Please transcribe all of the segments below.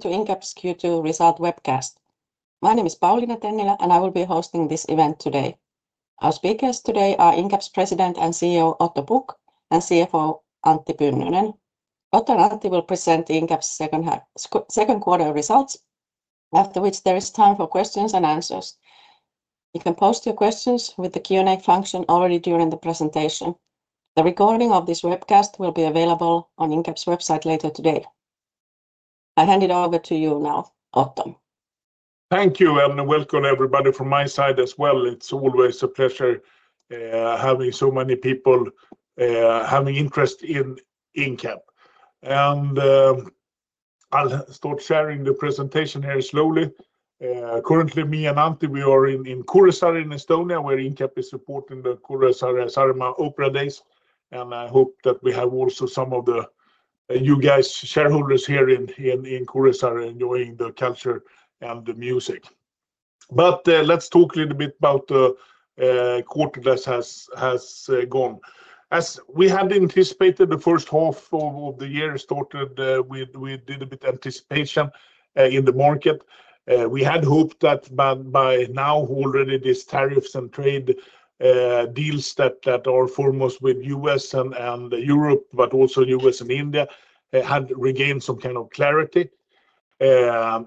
to Incap's Q2 Result Webcast. My name is Pauliina Tennilä and I will be hosting this event today. Our speakers today are Incap's President and CEO, Otto Pukk, and CFO, Antti Pynnönen. Otto and Antti will present Incap's second quarter results, after which there is time for questions and answers. You can post your questions with the Q&A function already during the presentation. The recording of this webcast will be available on Incap's website later today. I hand it over to you now, Otto. Thank you and welcome everybody from my side as well. It's always a pleasure, having so many people, having interest in Incap. I'll start sharing the presentation very slowly. Currently, me and Antti, we are in Kuressaare in Estonia, where Incap is supporting the Kuressaare Sarema Opera Days. I hope that we have also some of you guys, shareholders here in Kuressaare, enjoying the culture and the music. Let's talk a little bit about the quarter that has gone. As we had anticipated, the first half of the year started with a little bit of anticipation in the market. We had hoped that by now already these tariffs and trade deals that are foremost with the U.S. and Europe, but also the U.S. and India, had regained some kind of clarity. There's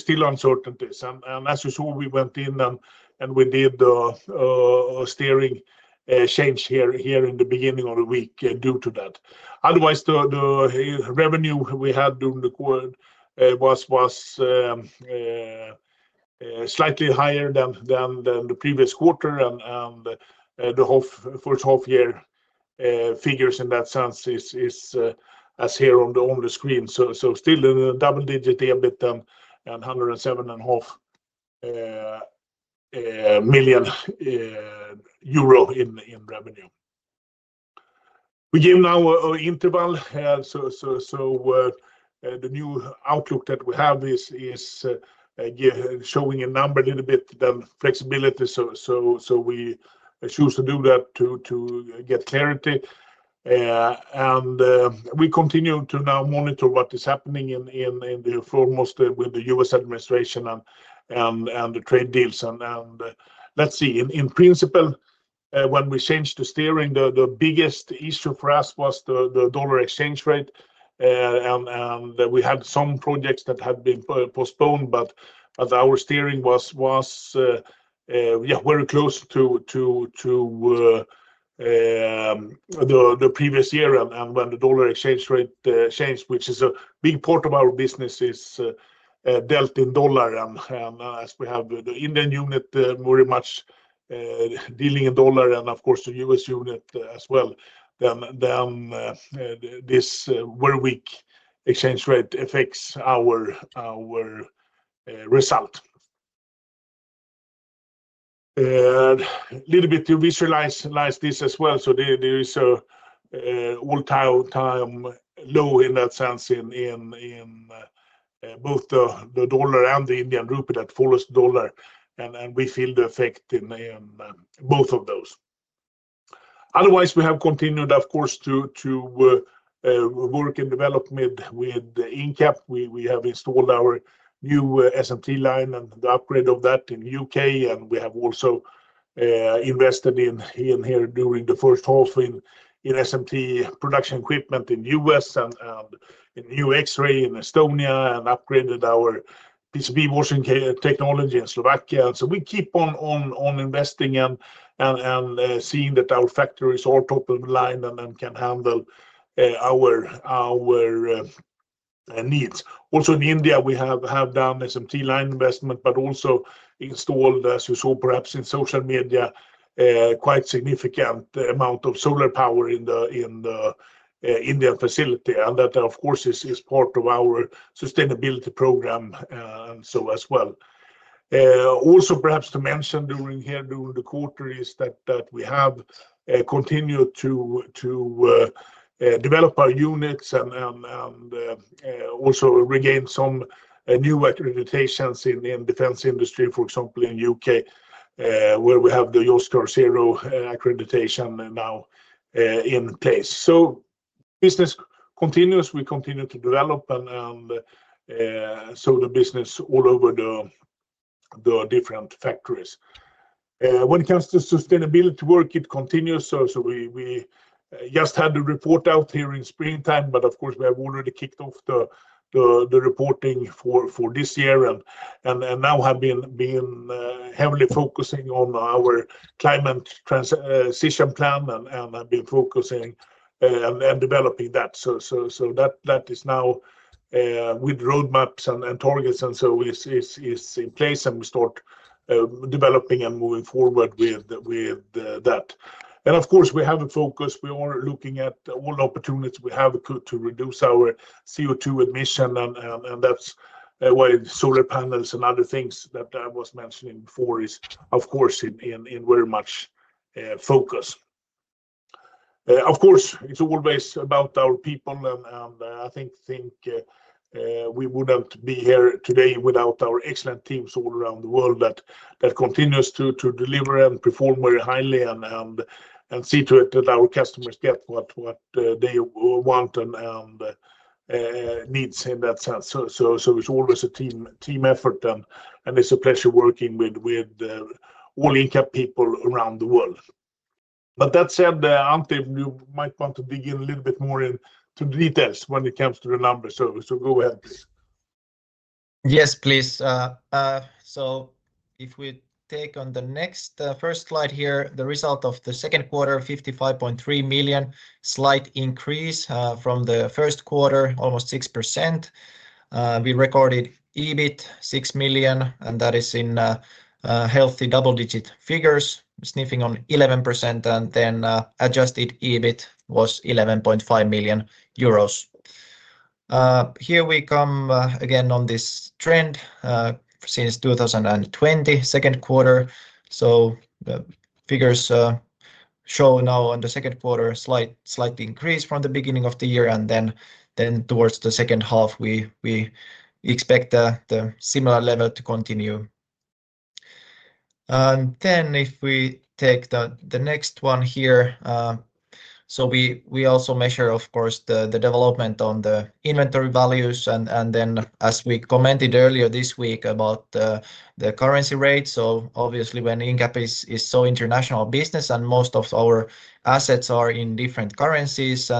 still uncertainties. As you saw, we went in and we did a steering change here in the beginning of the week due to that. Otherwise, the revenue we had during the quarter was slightly higher than the previous quarter. The whole first half year figures in that sense is as here on the screen. Still in a double-digit debit and 107.5 million euro in revenue. We give now an interval. The new outlook that we have is showing a number a little bit than flexibility. We choose to do that to get clarity. We continue to now monitor what is happening in the foremost with the U.S. administration and the trade deals. Let's see. In principle, when we changed the steering, the biggest issue for us was the dollar exchange rate. We had some projects that had been postponed, but as our steering was very close to the previous year. When the dollar exchange rate changed, which is a big part of our business, is dealt in dollar. As we have the Indian unit very much dealing in dollar and, of course, the U.S. unit as well, this very weak exchange rate affects our result. A little bit to visualize this as well, there is an all-time low in that sense in both the dollar and the Indian rupee that follows the dollar. We feel the effect in both of those. Otherwise, we have continued, of course, to work and develop with Incap. We have installed our new SMT line and the upgrade of that in the U.K. We have also invested here during the first half in SMT production equipment in the U.S., in new X-ray in Estonia, and upgraded our PCB washing technology in Slovakia. We keep on investing and seeing that our factories are top of the line and can handle our needs. Also in India, we have done SMT line investment, but also installed, as you saw perhaps in social media, quite a significant amount of solar power in the Indian facility. That, of course, is part of our sustainability program as well. Perhaps to mention during the quarter is that we have continued to develop our units and also regained some new accreditations in the defense industry, for example, in the U.K., where we have the JOSCAR Zero accreditation now in place. Business continues. We continue to develop the business all over the different factories. When it comes to sustainability work, it continues. We just had the report out here in springtime, but we have already kicked off the reporting for this year and now have been heavily focusing on our climate transition plan and have been focusing and developing that. That is now with roadmaps and targets, and it's in place and we start developing and moving forward with that. We have a focus. We are looking at all opportunities we have to reduce our CO2 emission, and that's why solar panels and other things that I was mentioning before are, of course, very much in focus. It's always about our people. I think we wouldn't be here today without our excellent teams all around the world that continue to deliver and perform very highly and see to it that our customers get what they want and need in that sense. It's always a team effort, and it's a pleasure working with all Incap people around the world. That said, Antti, you might want to dig in a little bit more into the details when it comes to the numbers. Go ahead, please. Yes, please. If we take on the next first slide here, the result of the second quarter, 55.3 million, slight increase from the first quarter, almost 6%. We recorded EBIT 6 million, and that is in healthy double-digit figures, sniffing on 11%. Adjusted EBIT was 11.5 million euros. Here we come again on this trend, since 2020, second quarter. Figures show now on the second quarter slight, slight increase from the beginning of the year. Towards the second half, we expect the similar level to continue. If we take the next one here, we also measure, of course, the development on the inventory values. As we commented earlier this week about the currency rate, obviously when Incap is so international business and most of our assets are in different currencies,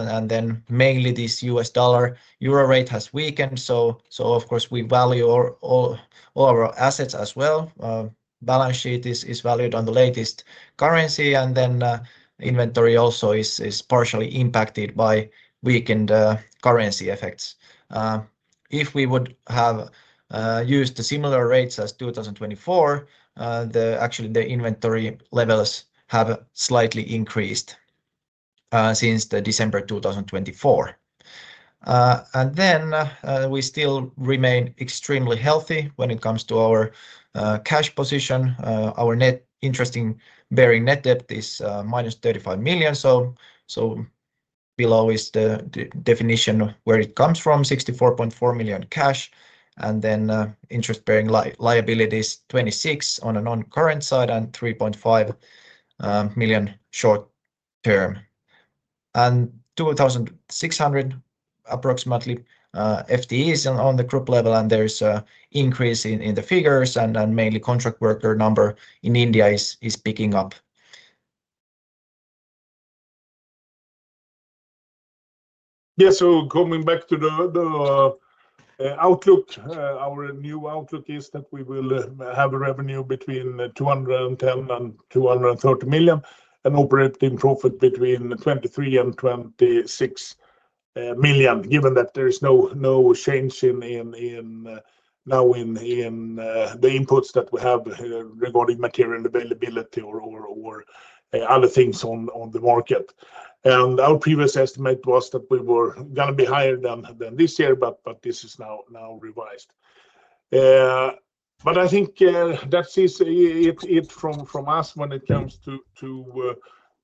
mainly this U.S. dollar Euro rate has weakened. Of course we value all our assets as well. Balance sheet is valued on the latest currency. Inventory also is partially impacted by weakened currency effects. If we would have used the similar rates as 2024, actually the inventory levels have slightly increased since December 2024. We still remain extremely healthy when it comes to our cash position. Our net interest-bearing net debt is -35 million. Below is the definition of where it comes from, 64.4 million cash. Interest-bearing liabilities 26 million on a non-current side and 3.5 million short term. 2,600 approximately FTEs on the group level. There is an increase in the figures, and mainly contract worker number in India is picking up. Yeah, so coming back to the outlook, our new outlook is that we will have a revenue between 210 million-230 million and operating profit between 23 million-26 million. Given that there is no change now in the inputs that we have regarding material availability or other things on the market. Our previous estimate was that we were going to be higher than this year, but this is now revised. I think that is it from us when it comes to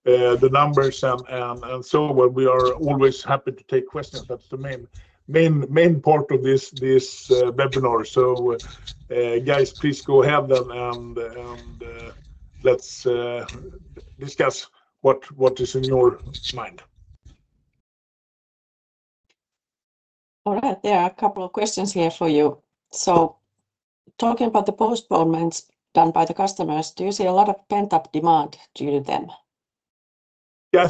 the numbers. We are always happy to take questions. That's the main part of this webinar. So, guys, please go ahead and let's discuss what is in your mind. All right. Yeah, a couple of questions here for you. Talking about the postponements done by the customers, do you see a lot of pent-up demand due to them? I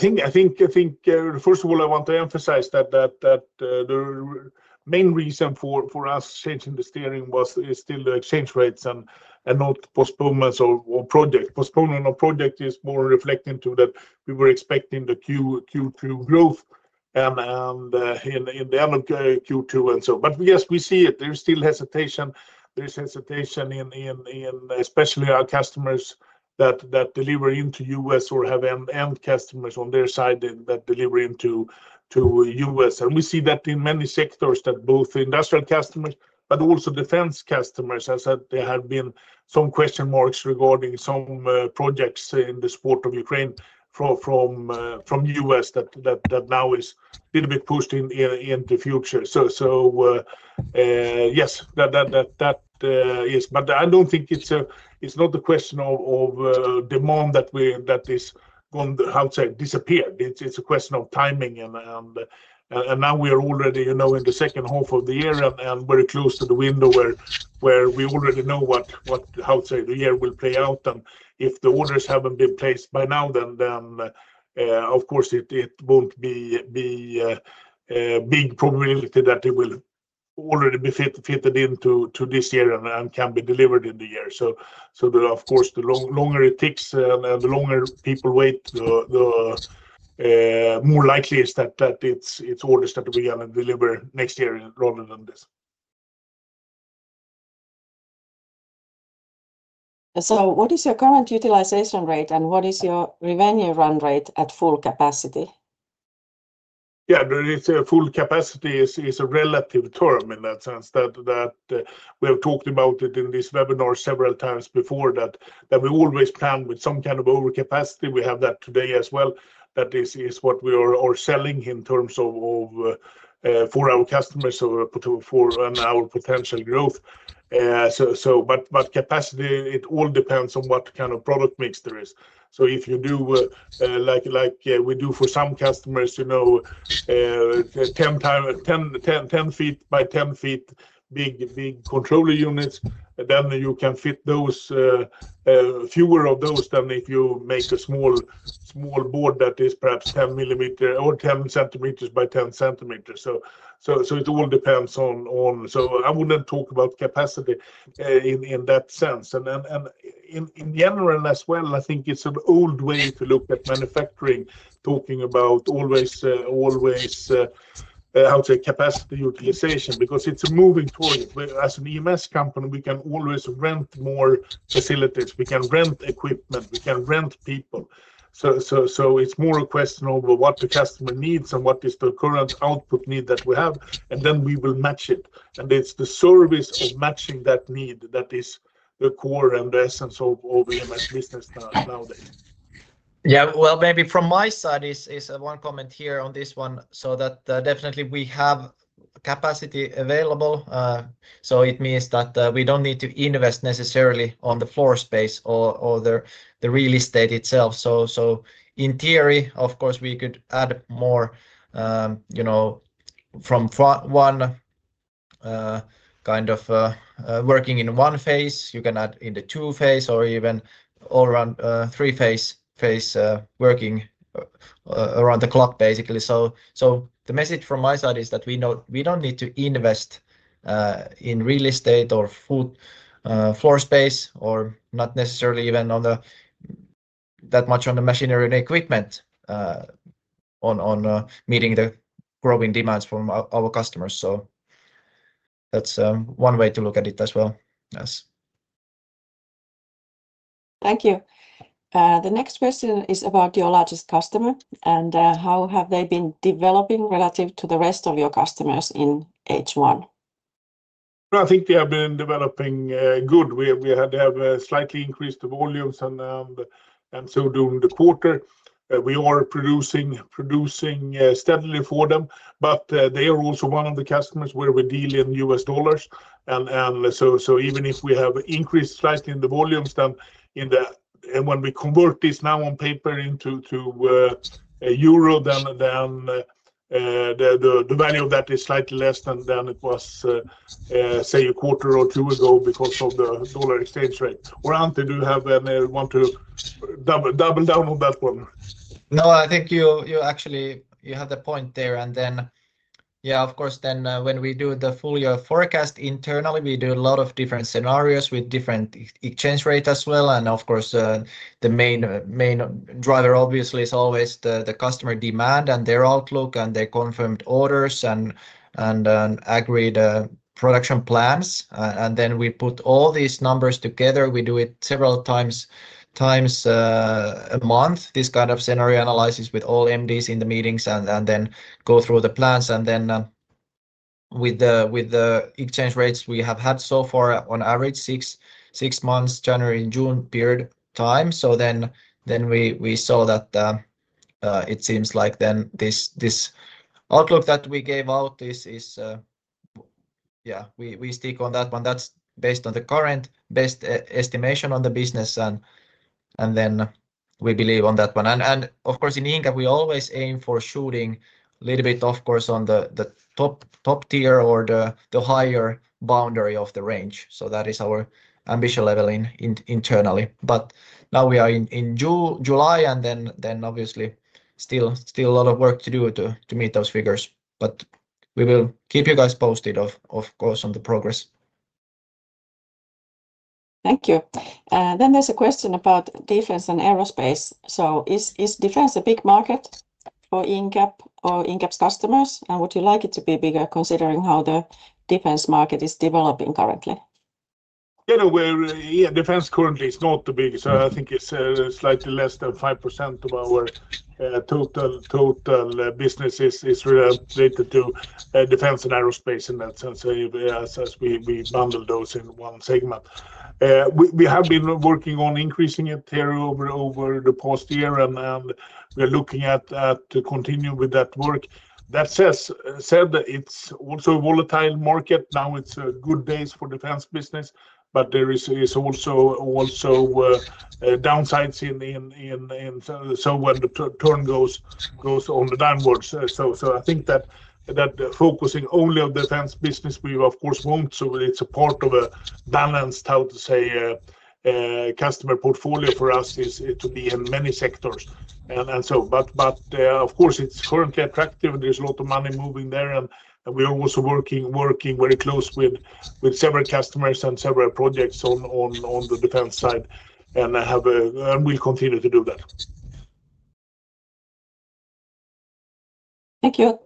want to emphasize that the main reason for us changing the steering is still the exchange rates and not postponements or projects. Postponement of projects is more reflecting that we were expecting the Q2 growth at the end of Q2. Yes, we see it. There's still hesitation, especially in our customers that deliver into the U.S. or have end customers on their side that deliver into the U.S. We see that in many sectors, both industrial customers and defense customers, as there have been some question marks regarding some projects in the support of Ukraine from the U.S. that now is a little bit pushed into the future. Yes, that is, but I don't think it's a question of demand that is going to disappear. It's a question of timing. Now we are already in the second half of the year and very close to the window where we already know how the year will play out. If the orders haven't been placed by now, then, of course, it won't be a big probability that it will already be fitted into this year and can be delivered in the year. Of course, the longer it takes and the longer people wait, the more likely is that it's orders that we are going to deliver next year rather than this. What is your current utilization rate and what is your revenue run rate at full capacity? Yeah, the full capacity is a relative term in that sense that we have talked about it in this webinar several times before, that we always plan with some kind of overcapacity. We have that today as well, that this is what we are selling in terms of our customers or for our potential growth. Capacity, it all depends on what kind of product mix there is. If you do, like we do for some customers, 10x 10, 10 ft by 10 ft big controller units, then you can fit fewer of those than if you make a small board that is perhaps 10 mm or 10 cm by 10 cm. It all depends on, so I wouldn't talk about capacity in that sense. In general as well, I think it's an old way to look at manufacturing, talking about always, how to say, capacity utilization because it's a moving target. As an EMS company, we can always rent more facilities. We can rent equipment. We can rent people. It's more a question of what the customer needs and what is the current output need that we have, and then we will match it. It's the service of matching that need that is the core and the essence of all the EMS business nowadays. Maybe from my side is one comment here on this one. That definitely we have capacity available, so it means that we don't need to invest necessarily on the floor space or the real estate itself. In theory, of course, we could add more, you know, from one kind of working in one phase, you can add in the two phase or even all around, three phase, phase, working around the clock basically. The message from my side is that we know we don't need to invest in real estate or floor space or not necessarily even that much on the machinery and equipment, on meeting the growing demands from our customers. That's one way to look at it as well. Thank you. The next question is about your largest customer, and how have they been developing relative to the rest of your customers in H1? I think we have been developing, good. We had to have a slightly increased volumes and, and so during the quarter. We are producing, producing, steadily for them, but they are also one of the customers where we deal in U.S. dollars. Even if we have increased slightly in the volumes, when we convert this now on paper into a euro, the value of that is slightly less than it was, say a quarter or two ago because of the dollar exchange rate. Antti, do you have an, want to double, double down on that one? No, I think you actually have the point there. Of course, when we do the full year forecast internally, we do a lot of different scenarios with different exchange rates as well. The main driver obviously is always the customer demand and their outlook and their confirmed orders and agreed production plans. We put all these numbers together. We do it several times a month, this kind of scenario analysis with all MDs in the meetings and then go through the plans. With the exchange rates we have had so far on average, six months, January and June period time, we saw that it seems like this outlook that we gave out is, yeah, we stick on that one. That's based on the current best estimation on the business, and we believe on that one. Of course, in Incap, we always aim for shooting a little bit, of course, on the top tier or the higher boundary of the range. That is our ambition level internally. Now we are in June, July, and obviously still a lot of work to do to meet those figures. We will keep you guys posted, of course, on the progress. Thank you. There is a question about defense and aerospace. Is defense a big market for Incap or Incap's customers? Would you like it to be bigger considering how the defense market is developing currently? Yeah, no, defense currently is not the biggest. I think it's slightly less than 5% of our total business is related to defense and aerospace in that sense. As we bundle those in one segment, we have been working on increasing it here over the past year, and we are looking to continue with that work. That said, it's also a volatile market. Now it's a good base for defense business, but there are also downsides when the turn goes on the downwards. I think that focusing only on defense business, we of course want to, it's a part of a balanced, how to say, customer portfolio for us is to be in many sectors. Of course it's currently attractive. There's a lot of money moving there, and we are also working very close with several customers and several projects on the defense side. I have a, and we'll continue to do that. Thank you,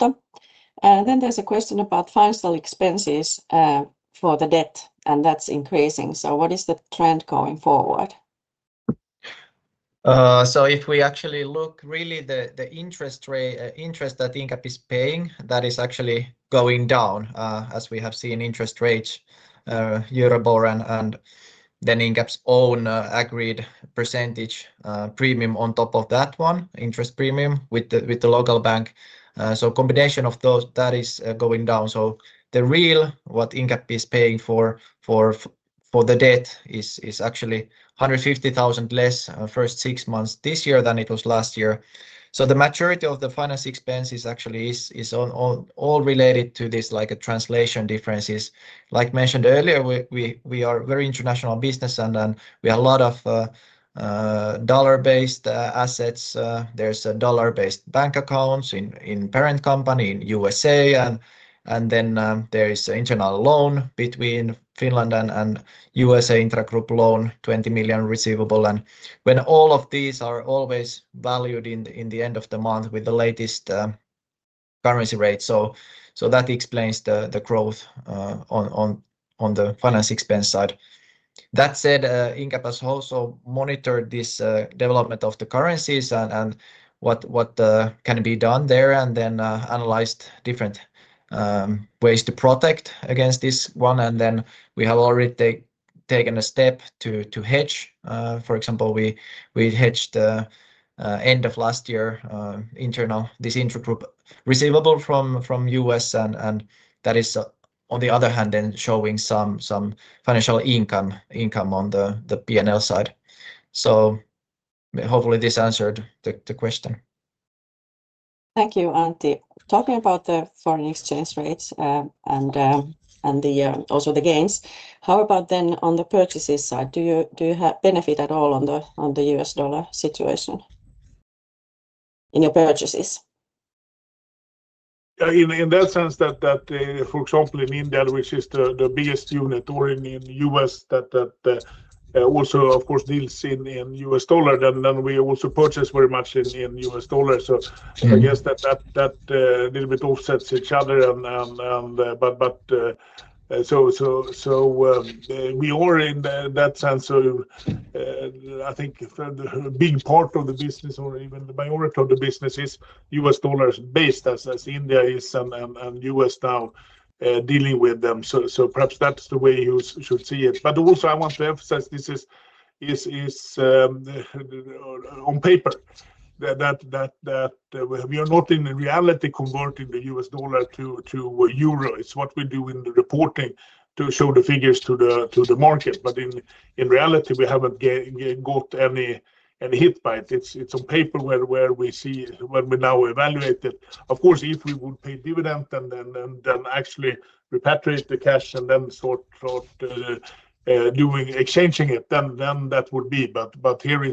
Otto. There is a question about financial expenses for the debt, and that's increasing. What is the trend going forward? If we actually look at the interest that Incap is paying, that is actually going down, as we have seen interest rates, Euribor, and then Incap's own agreed percentage premium on top of that, interest premium with the local bank. A combination of those is going down. The real amount Incap is paying for the debt is actually 150,000 less in the first six months this year than it was last year. The majority of the finance expenses is all related to translation differences. Like mentioned earlier, we are a very international business and we have a lot of dollar-based assets. There are dollar-based bank accounts in the parent company in the U.S., and there is an internal loan between Finland and the U.S., intergroup loan, 20 million receivable. All of these are always valued at the end of the month with the latest currency rate. That explains the growth on the finance expense side. Incap has also monitored this development of the currencies and what can be done there, and analyzed different ways to protect against this. We have already taken a step to hedge. For example, we hedged at the end of last year this intergroup receivable from the U.S., and that is on the other hand then showing some financial income on the P&L side. Hopefully this answered the question. Thank you, Antti. Talking about the foreign exchange rates and also the gains, how about then on the purchases side? Do you have benefit at all on the U.S. dollar situation in your purchases? In that sense, for example, in India, which is the biggest unit, or in the U.S. that also of course deals in U.S. dollar, we also purchase very much in U.S. dollar. I guess that a little bit offsets each other. We are in that sense. I think the big part of the business or even the majority of the business is U.S. dollars based as India is and U.S. now, dealing with them. Perhaps that's the way you should see it. I want to emphasize this is on paper, that we are not in reality converting the U.S. dollar to a euro. It's what we do in the reporting to show the figures to the market. In reality, we haven't got any hit by it. It's on paper where we see when we now evaluate it. Of course, if we would pay dividends and then actually repatriate the cash and then sort of do exchanging it, then that would be, but here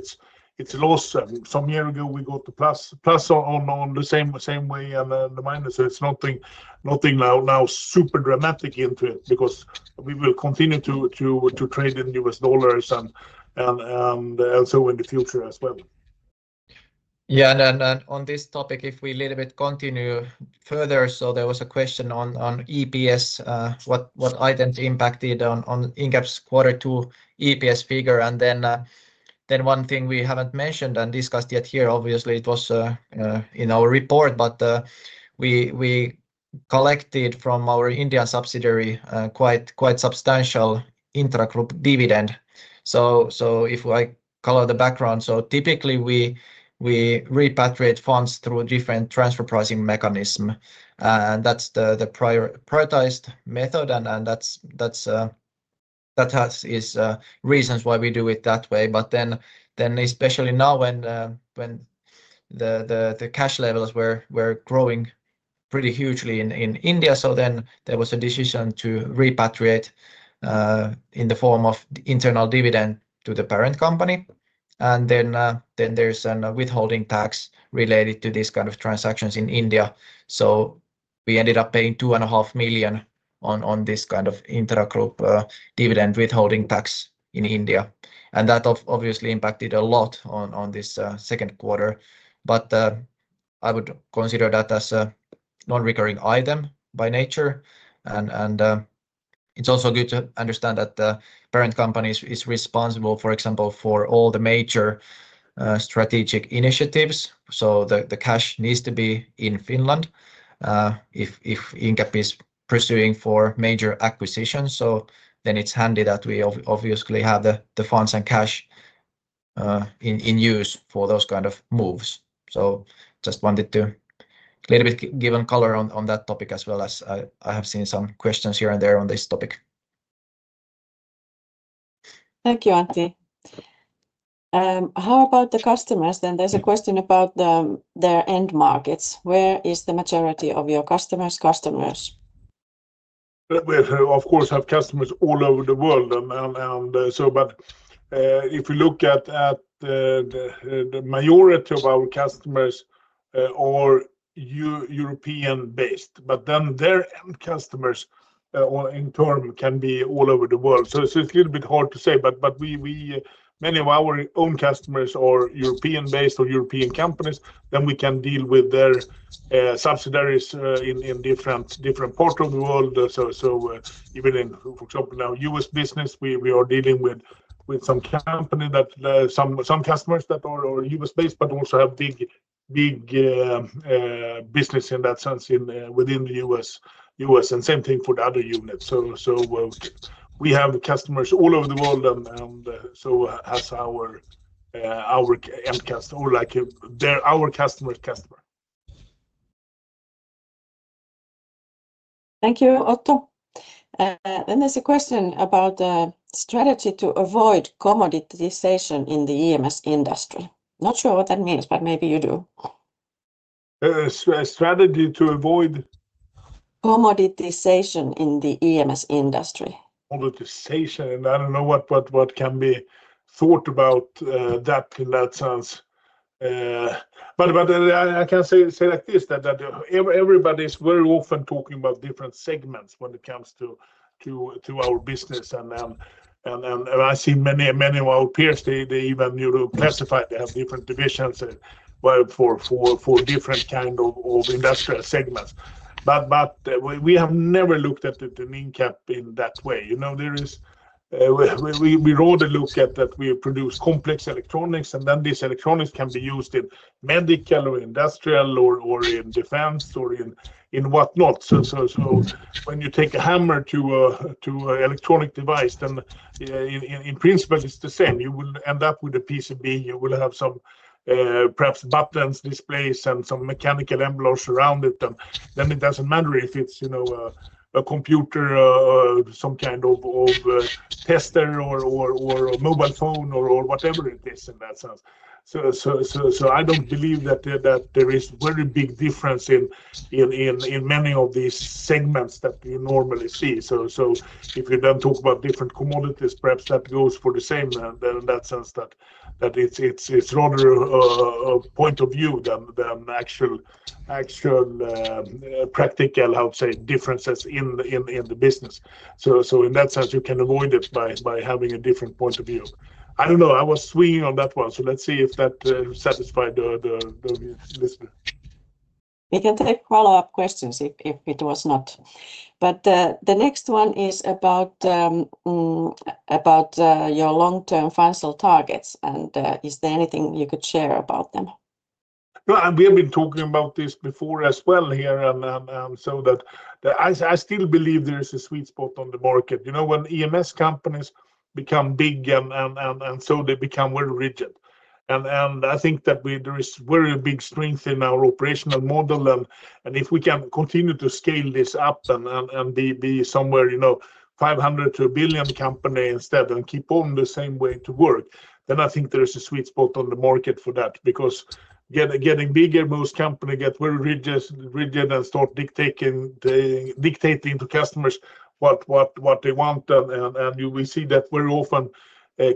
it's a loss. Some year ago we got the plus on the same way and then the minus. It's nothing now super dramatic into it because we will continue to trade in U.S. dollars also in the future as well. Yeah, on this topic, if we a little bit continue further, there was a question on EPS, what impacted on Incap's quarter two EPS figure. One thing we haven't mentioned and discussed yet here, obviously it was in our report, but we collected from our Indian subsidiary quite substantial intergroup dividend. If I color the background, typically we repatriate funds through different transfer pricing mechanisms. That's the prioritized method, and that has its reasons why we do it that way. Especially now when the cash levels were growing pretty hugely in India, there was a decision to repatriate in the form of internal dividend to the parent company. There's a withholding tax related to these kinds of transactions in India. We ended up paying 2.5 million on this kind of intergroup dividend withholding tax in India. That obviously impacted a lot on this second quarter. I would consider that as a non-recurring item by nature. It's also good to understand that the parent company is responsible, for example, for all the major strategic initiatives. The cash needs to be in Finland if Incap is pursuing major acquisitions. It's handy that we obviously have the funds and cash in use for those kinds of moves. Just wanted to a little bit give a color on that topic as I have seen some questions here and there on this topic. Thank you, Antti. How about the customers? There's a question about their end markets. Where is the majority of your customers' customers? We of course have customers all over the world. If we look at the majority of our customers, they are European based, but then their end customers in turn can be all over the world. It's a little bit hard to say, but many of our own customers are European based or European companies. We can deal with their subsidiaries in different parts of the world. For example, now U.S. business, we are dealing with some customers that are U.S. based, but also have big business in that sense within the U.S., and same thing for the other units. We have customers all over the world and so have our end customers, or like our customers' customers. Thank you, Otto. There is a question about the strategy to avoid commoditization in the EMS industry. Not sure what that means, but maybe you do. Strategy to avoid? Commoditization in the EMS industry. Commoditization, and I don't know what can be thought about that in that sense. I can say like this, that everybody is very often talking about different segments when it comes to our business. I see many of our peers, they even classify, they have different divisions for different kinds of industrial segments. We have never looked at it in Incap in that way. We rather look at that we produce complex electronics and then these electronics can be used in medical or industrial or in defense or in whatnot. When you take a hammer to an electronic device, in principle it's the same. You will end up with a PCB. You will have some, perhaps buttons, displays, and some mechanical envelopes around it. It doesn't matter if it's a computer, some kind of tester, or a mobile phone, or whatever it is in that sense. I don't believe that there is a very big difference in many of these segments that you normally see. If you then talk about different commodities, perhaps that goes for the same. In that sense, it's rather a point of view than actual, practical, how to say, differences in the business. In that sense you can avoid it by having a different point of view. I don't know. I was swinging on that one. Let's see if that satisfied the listener. We can take follow-up questions if it was not. The next one is about your long-term financial targets. Is there anything you could share about them? We have been talking about this before as well here. I still believe there is a sweet spot on the market. You know, when EMS companies become big, they become very rigid. I think that there is very big strength in our operational model. If we can continue to scale this up and be somewhere, you know, 500 million-1 billion company instead and keep on the same way to work, then I think there is a sweet spot on the market for that because getting bigger, most companies get very rigid and start dictating to customers what they want. You will see that very often,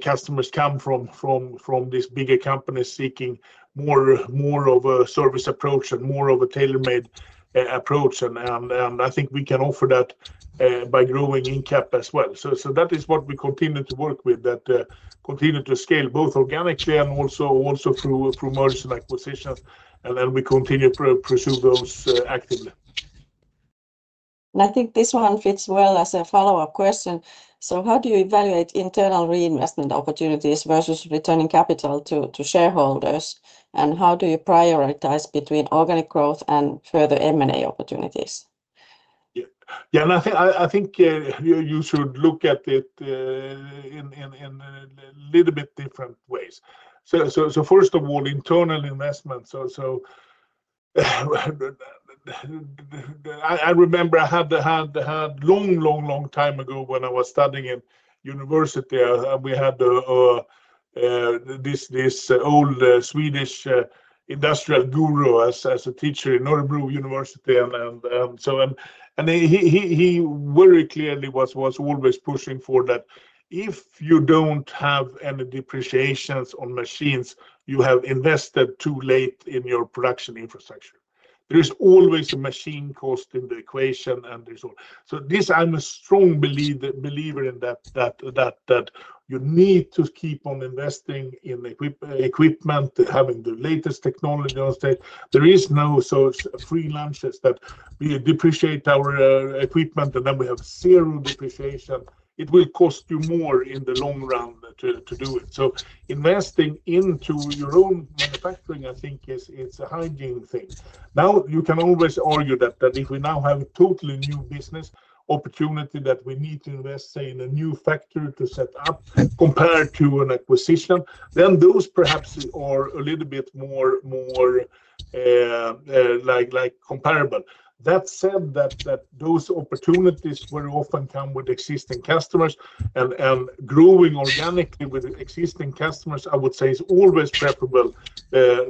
customers come from these bigger companies seeking more of a service approach and more of a tailor-made approach. I think we can offer that by growing Incap as well. That is what we continue to work with, continue to scale both organically and also through mergers and acquisitions. We continue to pursue those actively. How do you evaluate internal reinvestment opportunities versus returning capital to shareholders? How do you prioritize between organic growth and further M&A opportunities? I think you should look at it in a little bit different ways. First of all, internal investment. I remember I had a long time ago when I was studying in university, we had this old Swedish industrial guru as a teacher in Norrebro University, and he very clearly was always pushing for that if you don't have any depreciations on machines, you have invested too late in your production infrastructure. There is always a machine cost in the equation and so on. I'm a strong believer in that, that you need to keep on investing in equipment, having the latest technology on stage. There is no such freelancers that we depreciate our equipment and then we have zero depreciation. It will cost you more in the long run to do it. Investing into your own manufacturing, I think, is a hygiene thing. Now you can always argue that if we now have a totally new business opportunity that we need to invest, say, in a new factory to set up compared to an acquisition, then those perhaps are a little bit more like comparable. That said, those opportunities very often come with existing customers and growing organically with existing customers, I would say, is always preferable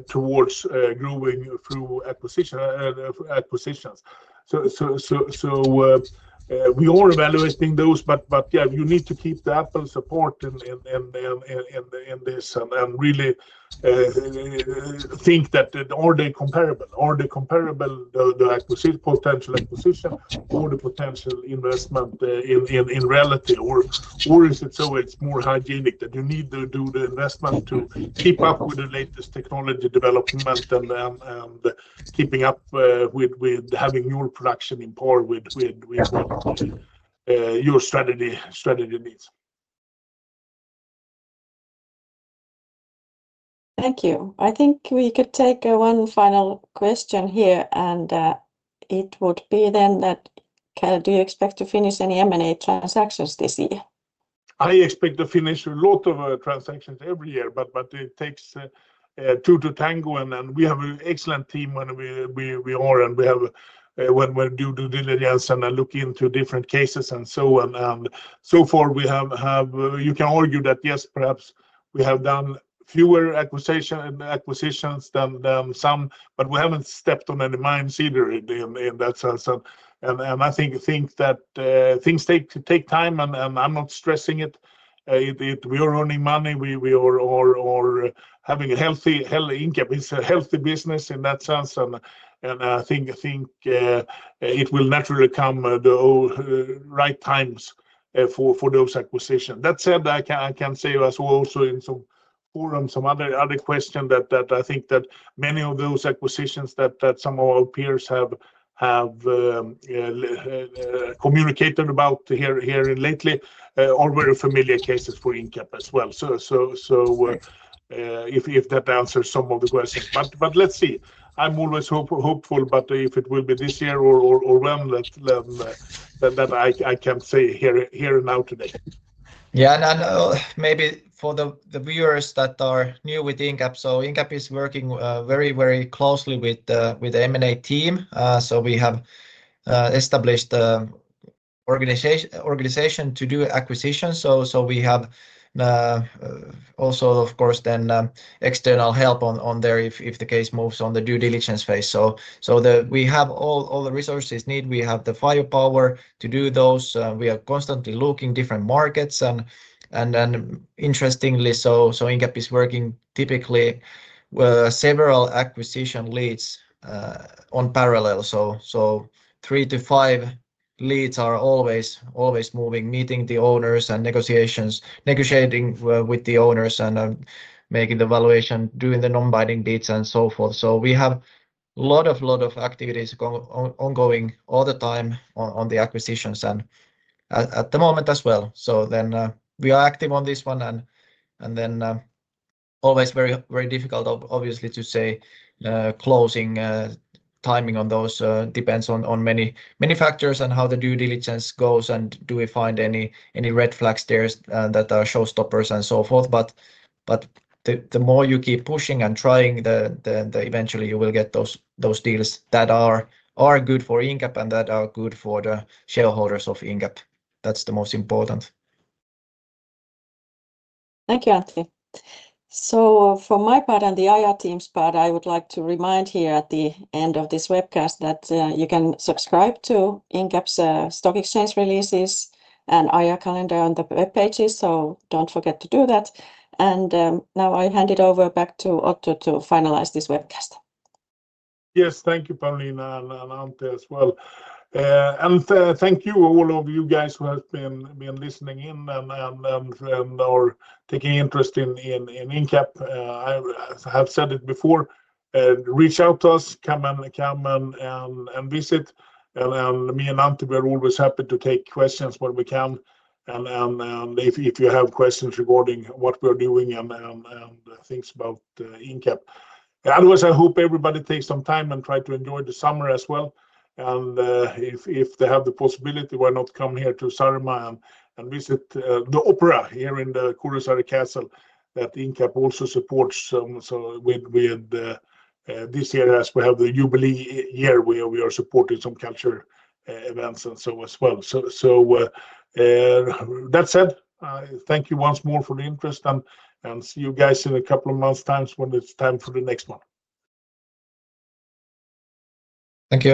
towards growing through acquisitions. We are evaluating those, but you need to keep the apples apart in this and really think that are they comparable? Are they comparable, the acquisition, potential acquisition or the potential investment in relative? Or is it so it's more hygienic that you need to do the investment to keep up with the latest technology development and keeping up with having your production in par with your strategy needs. Thank you. I think we could take one final question here, and it would be then that, do you expect to finish any M&A transactions this year? I expect to finish a lot of transactions every year, but it takes two to tango. We have an excellent team when we are due to delivery and I look into different cases and so on. So far, you can argue that yes, perhaps we have done fewer acquisitions than some, but we haven't stepped on any mines either in that sense. I think things take time and I'm not stressing it. We are earning money. We are having a healthy Incap. It's a healthy business in that sense. I think it will naturally come at the right times for those acquisitions. That said, I can say as well also in some forums, some other questions, that I think that many of those acquisitions that some of our peers have communicated about here lately are very familiar cases for Incap as well. If that answers some of the questions, let's see. I'm always hopeful, but if it will be this year or when, then that I can say here and now today. Maybe for the viewers that are new with Incap. Incap is working very closely with the M&A team. We have established the organization to do acquisitions. We have, also, of course, external help on there if the case moves on to the due diligence phase so that we have all the resources needed. We have the firepower to do those. We are constantly looking at different markets. Interestingly, Incap is working typically several acquisition leads in parallel. Three to five leads are always moving, meeting the owners and negotiating with the owners and making the valuation, doing the non-binding deeds and so forth. We have a lot of activities ongoing all the time on the acquisitions and at the moment as well. We are active on this one and it is always very difficult, obviously, to say closing timing on those. It depends on many factors and how the due diligence goes and if we find any red flags there that are showstoppers and so forth. The more you keep pushing and trying, eventually you will get those deals that are good for Incap and that are good for the shareholders of Incap. That's the most important. Thank you, Antti. For my part and the IR team's part, I would like to remind here at the end of this webcast that you can subscribe to Incap's stock exchange releases and IR calendar on the web pages. Don't forget to do that. Now I hand it over back to Otto to finalize this webcast. Yes, thank you, Pauliina and Antti as well. Thank you all of you guys who have been listening in and are taking interest in Incap. I have said it before, reach out to us, come and visit. Me and Antti, we're always happy to take questions when we can. If you have questions regarding what we're doing and things about Incap, yeah, otherwise I hope everybody takes some time and try to enjoy the summer as well. If they have the possibility, why not come here to Saaremaa and visit the opera here in the Kuressaare Castle that Incap also supports. We, this year as we have the jubilee year, we are supporting some cultural events as well. That said, I thank you once more for the interest and see you guys in a couple of months' time when it's time for the next one. Thank you.